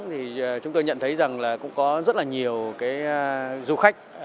thì chúng tôi nhận thấy rằng là cũng có rất là nhiều cái du khách